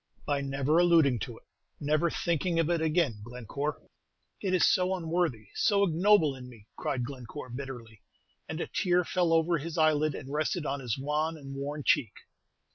"By never alluding to it, never thinking of it again, Glenoore." "It is so unworthy, so ignoble in me!" cried Glenoore, bitterly; and a tear fell over his eyelid and rested on his wan and worn cheek.